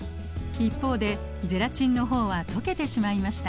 一方でゼラチンの方は溶けてしまいました。